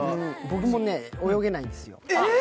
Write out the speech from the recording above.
僕も泳げないんですよ。